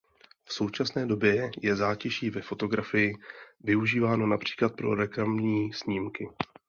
V současné době je zátiší ve fotografii využíváno například pro reklamní snímky.